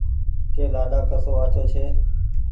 ڪه لآڏآ ڪسو آڇو ڇي